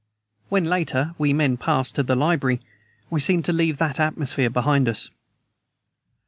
When, later, we men passed to the library, we seemed to leave that atmosphere behind us.